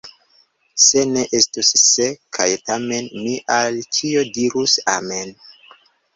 Se ne estus "se" kaj "tamen", mi al ĉio dirus amen.